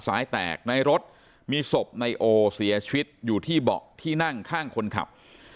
ซ้ายแตกในรถมีศพนายโอเสียชีวิตอยู่ที่เบาะที่นั่งข้างคนขับ